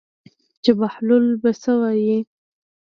چې بهلول به څه وایي.